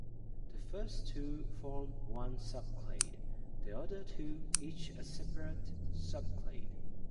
The first two form one subclade, the other two each a separate subclade.